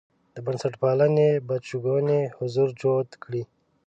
د بنسټپالنې بدشګونی حضور جوت کړي.